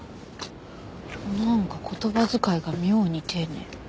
なんか言葉遣いが妙に丁寧。